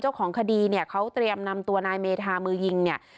เจ้าของคดีเนี่ยเขาเตรียมนำตัวนายเมธามือยิงเนี่ย